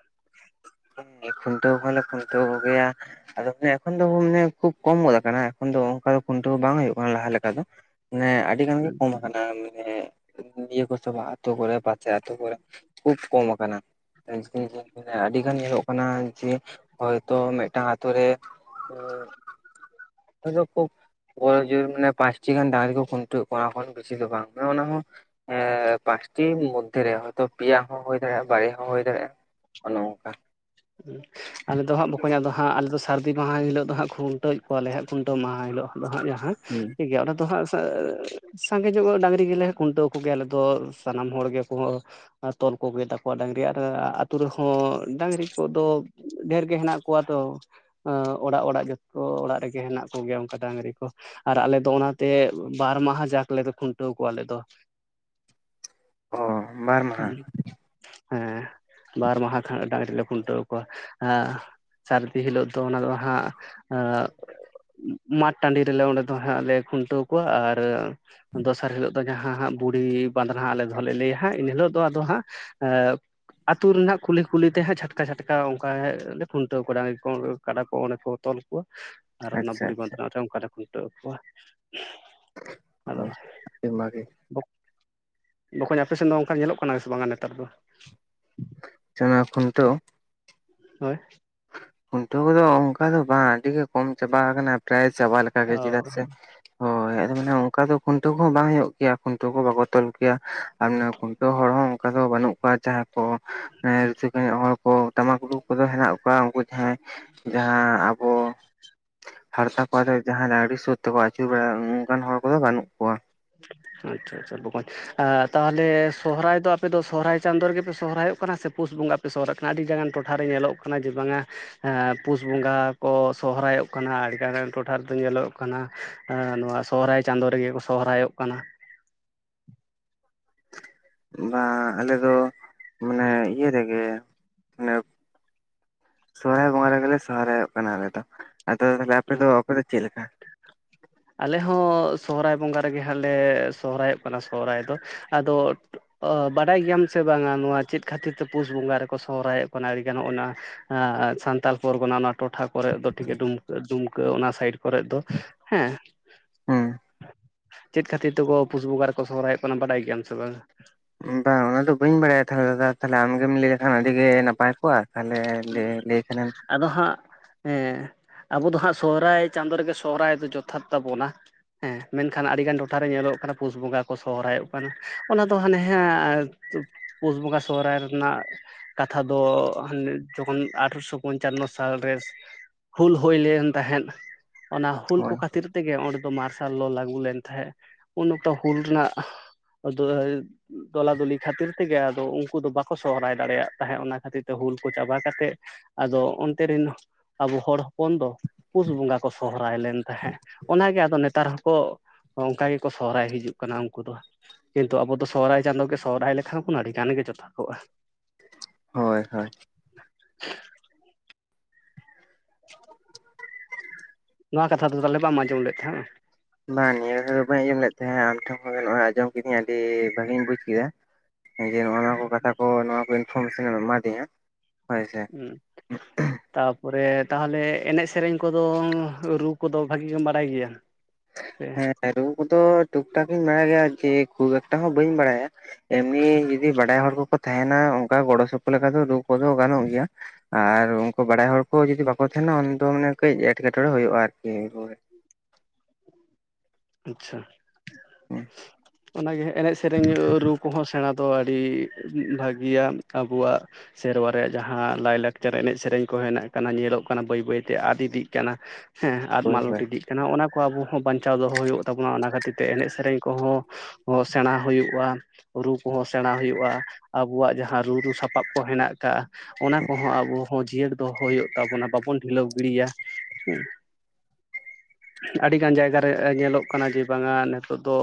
ᱠᱷᱩᱱᱴᱟᱹᱣ ᱦᱚᱸᱞᱮ, ᱠᱷᱩᱱᱴᱟᱹᱣ ᱠᱚ, ᱜᱮᱭᱟ ᱾ ᱟᱫᱚ ᱟᱱᱮ, ᱮᱠᱷᱚᱱ ᱫᱚ, ᱢᱟᱱᱮ ᱠᱷᱩᱵ ᱠᱚᱢ ᱜᱚᱫ ᱟᱠᱟᱱᱟ, ᱮᱠᱷᱚᱱ ᱫᱚ ᱚᱱᱠᱟ ᱠᱷᱩᱱᱴᱟᱣ ᱵᱟᱝ ᱦᱩᱭᱩᱜ ᱠᱟᱱᱟ, ᱞᱟᱦᱟ ᱞᱮᱠᱟ ᱫᱚ ᱦᱮᱸ, ᱟᱹᱰᱤ ᱜᱟᱱ ᱜᱮ ᱠᱚᱢ ᱢᱟᱱᱮ, ᱤᱭᱟᱹ, ᱠᱚ ᱪᱟᱵᱟᱜᱼᱟ ᱟᱹᱛᱩ ᱠᱚᱨᱮ, ᱯᱟᱪᱮ ᱟᱹᱛᱩ ᱠᱚᱨᱮ, ᱠᱷᱩᱵ ᱠᱚᱢ ᱟᱠᱟᱱᱟ ᱾ ᱟᱭᱥᱮ ᱟᱭᱥᱮ, [inaudible] ᱟᱹᱰᱤ ᱧᱮᱞᱚᱜ ᱠᱟᱱᱟ ᱡᱮ, ᱦᱚᱭ ᱛᱳ ᱢᱤᱫᱴᱟᱝ, ᱟᱛᱳ ᱨᱮ ᱩᱡᱚ ᱠᱷᱩᱵ ᱵᱚᱲᱚ ᱡᱳᱨ ᱢᱟᱱᱮ, ᱯᱟᱸᱪ ᱴᱤ ᱜᱟᱱ, ᱰᱟᱝᱨᱤ ᱠᱚ, ᱠᱷᱩᱱᱴᱟᱹᱣ ᱠᱚᱣᱟ, ᱵᱤᱥᱤ ᱫᱚ ᱵᱟᱝ, ᱚᱱᱟ ᱦᱚ ᱮᱻ ᱯᱟᱸᱪ ᱴᱤ ᱢᱚᱫᱽᱫᱷᱮᱨᱮ, ᱦᱚ ᱦᱳᱭ ᱛᱚ, ᱯᱮᱭᱟ ᱦᱚᱸ ᱦᱩᱭ ᱫᱟᱲᱮᱭᱟᱜᱼᱟ, ᱵᱟᱨᱭᱟ ᱦᱚᱸ, ᱦᱩᱭ ᱫᱟᱲᱮᱭᱟᱜᱼᱟ ᱾ ᱚᱱᱮ, ᱚᱝᱠᱟ ᱟᱞᱮ ᱫᱚ ᱦᱟᱸᱜ, ᱵᱚᱠᱚᱧ, ᱟᱫᱚ ᱦᱟᱸᱜ, ᱟᱞᱮ ᱫᱚ ᱥᱟᱹᱨᱫᱤ ᱢᱟᱦᱟ, ᱦᱤᱞᱳᱜ ᱫᱚ ᱦᱟᱸᱜ, ᱠᱷᱩᱱᱴᱟᱹᱣ ᱠᱚᱣᱟ ᱞᱮ ᱦᱟᱸᱜ, ᱠᱷᱩᱱᱴᱟᱹᱣ ᱢᱟᱦᱟ ᱦᱤᱞᱳᱜ ᱫᱚ ᱦᱟᱸᱜ ᱡᱟᱦᱟᱸ ᱦᱩᱸᱻ ᱾ ᱴᱷᱤᱠ, ᱜᱮᱭᱟ ᱚᱱᱟ ᱫᱚ ᱦᱟᱸᱜ, ᱥᱟᱸᱻᱟᱸᱻ ᱾ ᱥᱟᱸᱜᱮ ᱧᱚᱜ, ᱰᱟᱹᱟᱝᱨᱤ ᱜᱮᱞᱮ, ᱠᱷᱩᱱᱴᱟᱹᱣ ᱠᱚ ᱜᱮᱭᱟ, ᱟᱞᱮ ᱫᱚ ᱥᱟᱱᱟᱢ ᱦᱚᱲ ᱜᱮ, ᱵᱚᱦᱚᱜ ᱛᱚᱞ ᱠᱚ, ᱜᱮ ᱛᱟᱠᱚᱣᱟ, ᱰᱟᱝᱨᱤ, ᱟᱨ, ᱟᱛᱳ ᱨᱮᱦᱚᱸ, ᱰᱟᱝᱨᱤ ᱟᱠᱚᱫᱚ, ᱰᱷᱮᱨ ᱜᱮ, ᱦᱮᱱᱟᱜ ᱠᱚᱣᱟ ᱛᱚ, ᱚᱻ, ᱚᱲᱟᱜ ᱚᱲᱟᱜ, ᱡᱚᱛᱚ ᱚᱲᱟᱜ ᱨᱮᱜᱮ, ᱦᱮᱱᱟᱜ ᱠᱚ ᱜᱮᱭᱟ, ᱚᱱᱠᱟ ᱰᱟᱝᱨᱤ ᱠᱚ ᱟᱨ, ᱟᱞᱮ ᱫᱚ ᱚᱱᱟᱛᱮ, ᱵᱟᱨ ᱢᱟᱦᱟ ᱡᱟᱠ ᱞᱮ, ᱠᱷᱩᱱᱴᱟᱹᱣ ᱠᱚᱣᱟ, ᱟᱞᱮ ᱫᱚ ᱾ ᱪᱮᱻᱜ ᱾ [inaudible] ᱦᱮᱸᱻ, ᱵᱟᱨ ᱢᱟᱦᱟ ᱠᱷᱟᱡ, ᱰᱟᱝᱨᱤ ᱞᱮ ᱠᱷᱩᱱᱴᱟᱹᱣ, ᱠᱚᱣᱟ, ᱟᱸᱻ ᱟᱨ ᱥᱟᱹᱨᱫᱤ ᱦᱤᱞᱳᱜ ᱫᱚ, ᱦᱟᱸᱻ ᱚᱱᱟ ᱫᱚ ᱦᱟᱸᱜ, ᱢᱟᱫ ᱴᱟᱺᱰᱤ ᱨᱮᱞᱮ, ᱚᱸᱰᱮ ᱫᱚ ᱦᱟᱸᱜ, ᱞᱮ ᱠᱷᱩᱱᱴᱟᱹᱣ ᱠᱚᱣᱟ, ᱟᱨ ᱫᱚᱥᱟᱨ ᱦᱤᱞᱳᱜ ᱡᱟᱦᱟᱸ ᱦᱟᱸᱜ ᱵᱩᱲᱦᱤ, ᱵᱟᱸᱫᱽᱱᱟ ᱦᱟᱸᱜ, ᱟᱞᱮ ᱫᱚ ᱞᱮ, ᱞᱟᱹᱭᱟ ᱦᱟᱸᱜ,, ᱮᱱᱦᱤᱞᱳᱜ ᱫᱚ, ᱟᱫᱚ ᱦᱟᱸᱜ ᱟᱹᱛᱩ ᱨᱮᱱᱟᱜ ᱠᱩᱞᱤ ᱠᱩᱞᱤ ᱛᱮ ᱦᱟᱸᱜ ᱪᱷᱟᱴ ᱠᱟ ᱪᱷᱟᱴᱠᱟ ᱚᱝᱠᱟ ᱞᱮ ᱠᱷᱩᱱᱴᱟᱹᱣ ᱠᱚᱣᱟ ᱰᱟᱝᱨᱤ ᱠᱚ, ᱠᱟᱰᱟ ᱠᱚ ᱚᱸᱰᱮ ᱠᱚ ᱛᱚᱞ ᱠᱚᱣᱟ᱾ ᱟᱨ ᱚᱱᱟ ᱟᱪᱪᱷᱟ ᱵᱩᱲᱤ ᱟᱪᱪᱷᱟ ᱵᱟᱸᱫᱽᱱᱟ ᱨᱮ ᱚᱝᱠᱟ ᱞᱮ ᱠᱷᱩᱱᱴᱟᱹᱣ ᱠᱚᱣᱟ᱾ ᱟᱫᱚ ᱟᱹᱰᱤ ᱵᱷᱟᱜᱮ ᱵᱚ, ᱵᱚᱠᱚᱧ ᱟᱯᱮ ᱥᱮᱫ ᱫᱚ ᱱᱚᱝᱠᱟ ᱧᱮᱞᱚᱜ ᱠᱟᱱᱟ ᱥᱮ ᱵᱟᱝᱟ ᱱᱮᱛᱟᱨ ᱫᱚ? ᱪᱮᱫ ᱚᱱᱟ ᱠᱷᱩᱱᱴᱟᱹᱣ? ᱦᱮᱸ᱾ ᱠᱷᱩᱱᱴᱟᱹᱣ ᱠᱚᱫᱚ ᱚᱱᱠᱟ ᱫᱚ ᱵᱟᱝ, ᱟᱹᱰᱤ ᱜᱮ ᱠᱚᱢ ᱪᱟᱵᱟ ᱟᱠᱟᱱᱟ᱾ ᱯᱨᱟᱭ ᱪᱟᱵᱟ ᱞᱮᱠᱟ ᱜᱮ ᱪᱮᱫᱟᱜ ᱚ ᱥᱮ, ᱦᱳᱭ᱾ ᱢᱟᱱᱮ ᱚᱱᱠᱟ ᱫᱚ ᱠᱷᱩᱱᱴᱟᱹᱣ ᱠᱚᱦᱚᱸ ᱵᱟᱝ ᱦᱩᱭᱩᱜ ᱜᱮᱭᱟ ᱠᱷᱩᱱᱴᱟᱹᱣ ᱠᱚ ᱵᱟᱠᱚ ᱛᱚᱞ ᱠᱮᱭᱟ, ᱟᱨ ᱚᱱᱟ ᱠᱷᱩᱱᱴᱟᱹᱣ ᱦᱚᱲ ᱦᱚᱸ ᱚᱝᱠᱟ ᱫᱚ ᱵᱟᱹᱱᱩᱜ ᱟᱨ ᱡᱟᱦᱟᱸᱭ ᱠᱚ ᱦᱮᱸ, ᱨᱩᱤᱥᱠᱟ ᱧᱚᱜ ᱦᱚᱲ ᱠᱚ ᱴᱟᱢᱟᱠ ᱨᱩ ᱠᱚᱫᱚ ᱦᱮᱱᱟᱜ ᱠᱚᱣᱟ, ᱩᱝᱠᱩ ᱦᱮᱸ, ᱡᱟᱦᱟᱸ ᱟᱵᱚ ᱦᱟᱨᱛᱟ ᱠᱚᱣᱟᱛᱮ ᱡᱟᱦᱟᱸ ᱟᱹᱰᱤ ᱥᱳᱩᱨ ᱛᱮᱠᱚ ᱟᱹᱪᱩᱨᱟ ᱵᱟᱲᱟᱜ-ᱟ ᱚᱱᱠᱟᱱ ᱦᱚᱲ ᱠᱚᱫᱚ ᱵᱟᱱᱩᱜ ᱠᱚᱣᱟ᱾ ᱟᱪᱪᱷᱟ ᱟᱪᱪᱷᱟ ᱵᱚᱠᱚᱧ᱾ ᱟᱨ ᱛᱟᱦᱞᱮ ᱥᱚᱦᱨᱟᱭ ᱫᱚ ᱟᱯᱮ ᱫᱚ ᱥᱚᱦᱨᱟᱭ ᱪᱟᱸᱫᱚ ᱨᱮᱜᱮᱯᱮ ᱥᱚᱦᱨᱟᱭᱚᱜ ᱠᱟᱱᱟ ᱥᱮ ᱯᱩᱥ ᱵᱚᱸᱜᱟ ᱯᱮ ᱥᱚᱦᱨᱟᱭᱚᱜ ᱠᱟᱱᱟ ᱟᱹᱰᱤ ᱜᱟᱱ ᱴᱚᱴᱷᱟᱨᱮ ᱧᱮᱞᱚᱜ ᱠᱟᱱᱟ ᱡᱮ ᱵᱟᱝᱟ ᱦᱮᱸ, ᱯᱩᱥ ᱵᱚᱸᱜᱟ ᱠᱚ ᱥᱚᱦᱨᱟᱭᱚᱜ ᱠᱟᱱᱟ, ᱟᱹᱰᱤᱜᱟᱱ ᱴᱚᱴᱷᱟ ᱨᱮᱫᱚ ᱧᱮᱞᱚᱜ ᱠᱟᱱᱟ ᱦᱮᱸ, ᱱᱚᱣᱟ ᱥᱚᱦᱨᱟᱭ ᱪᱟᱸᱫᱚ ᱨᱮᱜᱮ ᱠᱚ ᱥᱚᱦᱨᱟᱭᱚᱜ ᱠᱟᱱᱟ᱾ ᱚᱱᱟ ᱟᱞᱮ ᱫᱚ ᱢᱟᱱᱮ ᱤᱭᱟᱹ ᱨᱮᱜᱮ᱾ ᱢᱟᱱᱮ, ᱥᱚᱦᱨᱟᱭ ᱵᱚᱸᱜᱟ ᱨᱮᱜᱮᱞᱮ ᱥᱚᱦᱨᱟᱭᱚᱜ ᱠᱟᱱᱟ ᱟᱞᱮ ᱫᱚ᱾ ᱟᱫᱚ ᱛᱟᱦᱞᱮ ᱟᱯᱮ ᱫᱚ, ᱟᱯᱮ ᱫᱚ ᱪᱮᱫ ᱞᱮᱠᱟ? ᱟᱞᱮ ᱦᱚᱸ ᱥᱚᱦᱨᱟᱭ ᱵᱚᱸᱜᱟ ᱨᱮᱜᱮ ᱦᱟᱸᱜ ᱞᱮ ᱥᱚᱦᱨᱟᱭᱚᱜ ᱠᱟᱱᱟ ᱥᱚᱦᱨᱟᱭ ᱫᱚ ᱟᱫᱚ, ᱚ, ᱵᱟᱰᱟᱭ ᱜᱮᱭᱟᱢ ᱥᱮ ᱵᱟᱝᱟ ᱱᱚᱣᱟ ᱪᱮᱫ ᱠᱷᱟᱹᱛᱤᱨ ᱛᱮ ᱯᱩᱥ ᱵᱚᱸᱜᱟ ᱨᱮᱠᱚ ᱥᱚᱦᱨᱟᱭᱚᱜ ᱠᱟᱱᱟ ᱟᱹᱰᱤ ᱜᱟᱱ ᱱᱚᱜ-ᱚᱱᱟ᱾ ᱟᱻ ᱥᱟᱱᱛᱟᱞ ᱯᱚᱨᱜᱚᱱᱟ ᱚᱱᱟ ᱴᱚᱴᱷᱟ ᱠᱚᱨᱮᱜ ᱫᱚ ᱴᱷᱤᱠ ᱰᱩᱢᱠᱟᱹ, ᱰᱩᱢᱠᱟᱹ ᱚᱱᱟ ᱥᱟᱭᱤᱰ ᱠᱚᱨᱮᱜ ᱫᱚ ᱦᱮᱸ᱾ ᱪᱮᱫ ᱠᱷᱟᱹᱛᱤᱨ ᱛᱮᱠᱚ ᱯᱩᱥ ᱵᱚᱸᱜᱟ ᱨᱮᱠᱚ ᱥᱚᱦᱨᱟᱭᱚᱜ ᱠᱟᱱᱟ ᱵᱟᱰᱟᱭ ᱜᱮᱭᱟᱢ ᱥᱮ ᱵᱟᱝᱟ? ᱵᱟᱝ ᱚᱱᱟ ᱫᱚ ᱵᱟᱹᱧ ᱵᱟᱲᱟᱭᱟ ᱛᱟᱦᱞᱮ ᱫᱟᱫᱟ, ᱛᱟᱦᱞᱮ ᱟᱢᱜᱮᱢ ᱞᱟᱹᱭ ᱞᱮᱠᱷᱟᱱ ᱟᱹᱰᱤ ᱜᱮ ᱱᱟᱯᱟᱭ ᱠᱚᱜ-ᱟ᱾ ᱛᱟᱦᱞᱮ ᱞᱮ ᱞᱟᱹᱭ ᱞᱟᱹᱭ ᱠᱷᱟᱱᱮᱢ᱾ ᱟᱫᱚ ᱦᱟᱸᱜ, ᱦᱮᱸ ᱟᱵᱚ ᱫᱚ ᱦᱟᱸᱜ ᱥᱚᱦᱨᱟᱭ ᱪᱟᱸᱫᱚ ᱨᱮᱜᱮ ᱥᱚᱦᱨᱟᱭ ᱫᱚ ᱡᱚᱛᱷᱟᱛ ᱛᱟᱵᱚᱱᱟ᱾ ᱦᱮᱸ ᱢᱮᱱᱠᱷᱟᱱ ᱟᱹᱰᱤᱜᱟᱱ ᱴᱚᱴᱷᱟᱨᱮ ᱧᱮᱞᱚᱜ ᱠᱟᱱᱟ, ᱯᱩᱥ ᱵᱚᱸᱜᱟ ᱠᱚ ᱥᱚᱦᱨᱟᱭᱚᱜ ᱠᱟᱱᱟ, ᱚᱱᱟ ᱫᱚ ᱦᱟᱱᱮ ᱦᱮᱸ᱾ ᱯᱩᱥ ᱵᱚᱸᱜᱟ ᱥᱚᱦᱨᱟᱭ ᱨᱮᱱᱟᱜ ᱠᱟᱛᱷᱟ ᱫᱚ ᱦᱟᱱᱮ᱾ ᱡᱚᱠᱷᱚᱱ ᱟᱴᱷᱨᱚᱥᱚ ᱯᱚᱧᱪᱟᱱᱚ ᱥᱟᱞᱨᱮ ᱦᱩᱞ ᱦᱩᱭ ᱞᱮᱱ ᱛᱟᱦᱮᱸᱫ᱾ ᱚᱱᱟ ᱦᱩᱞ ᱠᱚ ᱦᱳᱭ ᱠᱷᱟᱹᱛᱤᱨ ᱛᱮᱜᱮ ᱚᱸᱰᱮ ᱫᱚ ᱢᱟᱨᱥᱟᱞ ᱞᱚ ᱞᱟᱹᱜᱩ ᱞᱮᱱ ᱛᱟᱦᱮᱸᱜ, ᱩᱱ ᱚᱠᱛᱚ ᱦᱩᱞ ᱨᱮᱱᱟᱜ [unintelligible] ᱫᱚᱞᱟᱫᱚᱞᱤ ᱠᱷᱟᱹᱛᱤᱨ ᱛᱮᱜᱮ ᱟᱫᱚ ᱩᱝᱠᱩ ᱫᱚ ᱵᱟᱠᱚ ᱥᱚᱦᱨᱟᱭ ᱫᱟᱲᱮᱭᱟᱜ ᱛᱟᱦᱮᱸᱫ ᱚᱱᱟ ᱠᱷᱟᱹᱛᱤᱨ ᱛᱮ ᱦᱩᱞ ᱠᱚ ᱪᱟᱵᱟ ᱠᱟᱛᱮᱫ ᱟᱫᱚ ᱚᱱᱛᱮ ᱨᱤᱱ᱾ ᱟᱵᱚ ᱦᱚᱲ ᱦᱚᱯᱚᱱ ᱫᱚ ᱯᱩᱥ ᱵᱚᱸᱜᱟ ᱠᱚ ᱥᱚᱦᱨᱟᱭ ᱞᱮᱱ ᱛᱟᱦᱮᱸᱫ, ᱚᱱᱟᱜᱮ ᱟᱫᱚ ᱱᱮᱛᱟᱨ ᱦᱚᱸᱠᱚ ᱦᱚᱸ, ᱚᱝᱠᱟ ᱜᱮᱠᱚ ᱥᱚᱦᱨᱟᱭ ᱦᱤᱡᱩᱜ ᱠᱟᱱᱟ ᱩᱝᱠᱩ ᱫᱚ᱾ ᱠᱤᱱᱛᱩ ᱟᱵᱚ ᱫᱚ ᱥᱚᱦᱨᱟᱭ ᱪᱟᱸᱫᱳ ᱜᱮ ᱥᱚᱦᱨᱟᱭ ᱞᱮᱠᱷᱟᱱ ᱵᱚᱱ, ᱟᱹᱰᱤ ᱜᱟᱱ ᱜᱮ ᱡᱚᱛᱷᱟ ᱠᱚᱜ-ᱟ᱾ ᱦᱳᱭ ᱦᱳᱭ᱾ [unintelligible] [inaudible] ᱱᱚᱣᱟ ᱠᱟᱛᱷᱟ ᱫᱚ ᱛᱟᱦᱞᱮ ᱵᱟᱢ ᱟᱸᱡᱚᱢ ᱞᱮᱫ ᱛᱟᱦᱮᱸᱜ-ᱟ? ᱵᱟᱝ ᱱᱤᱭᱟᱹ ᱠᱚ ᱫᱚ ᱵᱟᱹᱧ ᱟᱸᱚᱢ ᱞᱮᱫ ᱛᱟᱦᱮᱸᱜ-ᱟ, ᱟᱢ ᱴᱷᱮᱱ ᱠᱷᱚᱱ ᱱᱚᱣᱟ ᱟᱸᱡᱚᱢ ᱠᱤᱫᱟᱹᱧ ᱟᱹᱰᱤ ᱵᱷᱟᱜᱤᱧ ᱵᱩᱡᱽ ᱠᱮᱜ-ᱟ᱾ ᱦᱮᱸᱜᱮ ᱱᱚᱜ-ᱚ ᱱᱚᱣᱟ ᱠᱚ ᱠᱟᱛᱷᱟ ᱠᱚ ᱱᱚᱣᱟ ᱠᱚ ᱤᱱᱯᱷᱚᱨᱢᱮᱥᱚᱱ ᱮᱢ ᱮᱢᱟ ᱫᱤᱧᱟᱹ᱾ ᱦᱩᱸ ᱛᱟᱯᱚᱨᱮ ᱛᱟᱦᱚᱞᱮ ᱮᱱᱮᱡ ᱥᱮᱨᱮᱧ ᱠᱚᱫᱚ ᱨᱩ ᱠᱚᱫᱚ ᱵᱷᱟᱜᱮ ᱜᱮᱢ ᱵᱟᱰᱟᱭ ᱜᱮᱭᱟ᱾ ᱥᱮ ᱦᱮᱸ ᱨᱩ ᱠᱚᱫᱚ ᱴᱩᱠ ᱴᱟᱠ ᱤᱧ ᱵᱟᱰᱟᱭᱟ ᱟᱨᱠᱤ ᱠᱷᱩᱵ ᱮᱠᱴᱟ ᱦᱚᱸ ᱵᱟᱹᱧ ᱵᱟᱲᱟᱭᱟ᱾ ᱮᱢᱱᱤ ᱡᱩᱫᱤ ᱵᱟᱰᱟᱭ ᱦᱚᱲ ᱠᱚᱠᱚ ᱛᱟᱦᱮᱱᱟ ᱚᱱᱠᱟ ᱜᱚᱲᱚ ᱥᱚᱯᱚᱦᱚᱫ ᱞᱮᱠᱟ ᱫᱚ ᱨᱩ ᱠᱚᱫᱚ ᱜᱟᱱᱚᱜ ᱜᱮᱭᱟ᱾ ᱟᱨ ᱩᱱᱠᱩ ᱵᱟᱲᱟᱭ ᱦᱚᱲ ᱠᱚ ᱡᱩᱫᱤ ᱵᱟᱠᱚ ᱛᱟᱦᱮᱱᱟ ᱩᱱ ᱫᱚ ᱢᱟᱱᱮ ᱠᱟᱹᱡ ᱮᱴᱠᱮᱴᱚᱬᱮ ᱦᱩᱭᱩᱜᱼᱟ ᱟᱨᱠᱤ ᱦᱳᱭ ᱟᱪᱪᱷᱟ ᱚᱱᱟᱜᱮ ᱮᱱᱮᱡ ᱥᱮᱨᱮᱧ ᱨᱩ ᱠᱚᱦᱚᱸ ᱥᱮᱬᱟ ᱫᱚ ᱟᱹᱰᱤ ᱵᱷᱟᱹᱜᱤᱭᱟ ᱟᱵᱚᱣᱟᱜ ᱥᱮᱨᱣᱟ ᱨᱮᱭᱟᱜ ᱡᱟᱦᱟᱸ ᱞᱟᱭᱼᱞᱟᱠᱪᱟᱨ ᱮᱱᱮᱡ ᱥᱮᱨᱮᱧ ᱠᱚᱸ ᱦᱮᱱᱟᱜ ᱠᱟᱱᱟ ᱧᱮᱞᱚᱜ ᱠᱟᱱᱟ ᱵᱟᱹᱭ ᱵᱟᱹᱭᱛᱮ ᱟᱫ ᱤᱫᱤᱜ ᱠᱟᱱᱟ᱾ ᱦᱮᱸ ᱟᱫ ᱦᱳᱭ ᱢᱟᱞᱚᱴ ᱦᱳᱭ ᱤᱫᱤᱜ ᱠᱟᱱᱟ ᱚᱱᱟ ᱠᱚ ᱟᱵᱚ ᱦᱚᱸ ᱵᱟᱧᱪᱟᱣ ᱫᱚᱦᱚ ᱦᱩᱭᱩᱜ ᱛᱟᱵᱚᱱᱟ ᱚᱱᱟ ᱠᱷᱟᱹᱛᱤᱨ ᱛᱮ ᱮᱱᱮᱡ ᱥᱮᱨᱮᱧ ᱠᱚᱦᱚᱸ ᱚ ᱥᱮᱬᱟ ᱦᱩᱭᱩᱜᱼᱟ᱾ ᱨᱩ ᱠᱚᱦᱚᱸ ᱥᱮᱬᱟ ᱦᱩᱭᱩᱜᱼᱟ ᱟᱵᱚᱣᱟᱜ ᱡᱟᱦᱟᱸ ᱨᱩ ᱨᱩ ᱥᱟᱯᱟᱵ ᱠᱚ ᱦᱮᱱᱟᱜ ᱠᱟᱜᱼ ᱟ᱾ ᱚᱱᱟ ᱠᱚᱦᱚᱸ ᱟᱵᱚ ᱦᱚᱸ ᱡᱤᱭᱟᱹᱲ ᱫᱚᱦᱚ ᱦᱩᱭᱩᱜ ᱛᱟᱵᱚᱱᱟ ᱵᱟᱵᱚᱱ ᱰᱷᱤᱞᱟᱹᱣ ᱜᱤᱲᱤᱭᱟ ᱦᱩᱸ᱾ [inaudible] ᱟᱹᱰᱤᱜᱟᱱ ᱡᱟᱭᱜᱟ ᱨᱮ ᱧᱮᱞᱚᱜ ᱠᱟᱱᱟ ᱡᱮ ᱵᱟᱝᱼᱟ ᱱᱤᱛᱳᱜ ᱫᱚ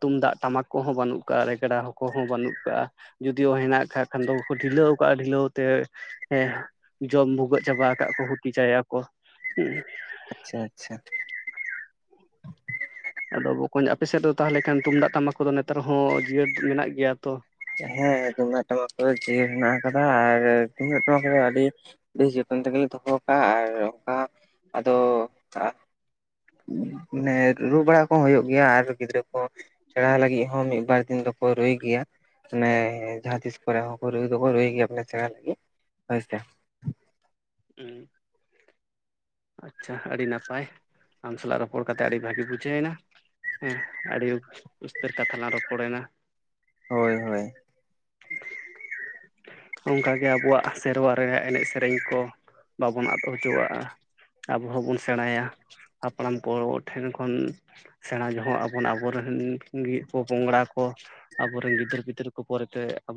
ᱛᱩᱢᱫᱟᱜ ᱴᱟᱢᱟᱠ ᱠᱚᱦᱚᱸ ᱵᱟᱹᱱᱩᱜ ᱠᱟᱜᱼᱟ ᱨᱮᱜᱽᱲᱟ ᱠᱟ ᱦᱚᱸ ᱵᱟᱹᱱᱩᱜ ᱠᱟᱜᱼᱟ᱾ ᱡᱩᱫᱤ ᱚ ᱦᱮᱱᱟᱜ ᱠᱷᱟᱜ ᱠᱷᱟᱱ ᱫᱚ ᱰᱷᱤᱞᱟᱹᱣ ᱠᱟᱜᱼᱟ ᱰᱷᱤᱞᱟᱹᱣ ᱛᱮ ᱦᱮᱸ ᱡᱚᱢ ᱵᱷᱩᱜᱟᱹᱜ ᱪᱟᱵᱟ ᱠᱟᱜ ᱟᱠᱚ ᱦᱩᱛᱤ ᱪᱟᱭᱟᱠᱚ ᱦᱩᱸ᱾ ᱟᱪᱪᱷᱟ ᱟᱪᱪᱷᱟ ᱟᱫᱚ ᱵᱚᱠᱚᱧ ᱟᱯᱮᱮᱥᱮᱫ ᱫᱚ ᱛᱟᱦᱚᱞᱮ ᱠᱷᱟᱱ ᱛᱩᱢᱫᱟᱜ ᱴᱟᱢᱟᱠᱫᱚ ᱱᱮᱛᱟᱨ ᱦᱚᱸ ᱡᱤᱭᱟᱹᱲ ᱢᱮᱱᱟᱜ ᱜᱮᱭᱟ ᱛᱚ? ᱦᱮᱸ ᱛᱩᱢᱟᱜ ᱴᱟᱢᱟᱠ ᱠᱚᱫᱚ ᱡᱤᱭᱟ. ᱲ ᱦᱮᱱᱟᱜ ᱠᱟᱫᱟ ᱟᱨ ᱛᱩᱢᱫᱟᱜ ᱴᱟᱢᱟᱠ ᱫᱚ ᱟᱹᱰᱤ ᱵᱮᱥ ᱡᱚᱛᱚᱱ ᱛᱮᱜᱮᱞᱮ ᱫᱚᱦᱚ ᱠᱟᱜᱼᱟ ᱟᱨ ᱚᱱᱠᱟ ᱟᱫᱚ ᱢᱟᱱᱮ ᱨᱩ ᱵᱟᱲᱟ ᱠᱚᱦᱚᱸ ᱦᱩᱭᱩᱜ ᱜᱮᱭᱟ ᱟᱨ ᱜᱤᱫᱽᱨᱟᱹ ᱠᱚ ᱥᱮᱬᱟ ᱞᱟᱹᱜᱤᱫ ᱦᱚᱸ ᱢᱤᱫ ᱵᱟᱨ ᱫᱤᱱ ᱫᱚᱠᱚ ᱨᱩᱭ ᱜᱮᱭᱟ᱾ ᱢᱟᱱᱮ ᱡᱟᱦᱟᱸ ᱛᱤᱥ ᱠᱚᱨᱮ ᱦᱚᱸ ᱠᱚ ᱨᱩᱭ ᱫᱚᱠᱚ ᱨᱩᱭ ᱜᱮᱭᱟ ᱵᱚᱞᱮ ᱥᱮᱬ ᱞᱟᱹᱜᱤᱫ ᱦᱳᱭ ᱥᱮ᱾ ᱦᱩᱸ [inaudible] ᱟᱪᱪᱷᱟ ᱟᱹᱰᱤ ᱱᱟᱯᱟᱭ ᱟᱢ ᱥᱟᱞᱟᱜ ᱨᱚᱯᱚᱲ ᱠᱟᱛᱮ ᱟᱹᱰᱤ ᱵᱷᱟᱜᱤ ᱵᱩᱡᱷᱟᱹᱣ ᱱᱟ᱾ ᱦᱮᱸ ᱟᱹᱰᱤ ᱩᱥᱛᱟᱹᱨ ᱠᱟᱛᱷᱟ ᱞᱟᱝ ᱨᱚᱯᱚᱲᱮᱱᱟ᱾ ᱦᱳᱭ ᱦᱳᱭ ᱚᱱᱠᱟᱜᱮ ᱟᱵᱚᱣᱟᱜ ᱥᱮᱨᱣᱟ ᱨᱮ ᱮᱱᱮᱡ ᱥᱮᱨᱮᱧ ᱠᱚ ᱵᱟᱵᱚᱱ ᱟᱫ ᱦᱚᱪᱚᱣᱟᱜᱼᱟ᱾ ᱟᱵᱚ ᱦᱚᱸᱵᱚᱱ ᱥᱮᱬᱟᱭᱟ ᱦᱟᱯᱲᱟᱢ ᱠᱚ ᱴᱷᱮᱱ ᱠᱷᱚᱱ ᱥᱮᱬᱟ ᱡᱚᱦᱚᱜ ᱟᱵᱚᱱ ᱟᱵᱚ ᱨᱮᱱ ᱜᱤ ᱯᱳ ᱯᱚᱝᱲᱟ ᱠᱚ ᱟᱵᱚᱨᱮᱱ ᱜᱤᱫᱟᱹᱨ ᱯᱤᱫᱟᱹᱨ ᱠᱚ ᱯᱚᱨᱮᱛᱮ ᱟᱵᱩ